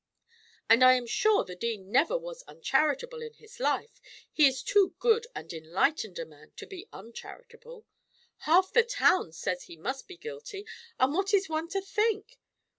"And I am sure the dean never was uncharitable in his life: he is too good and enlightened a man to be uncharitable. Half the town says he must be guilty, and what is one to think?